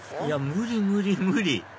いや無理無理無理！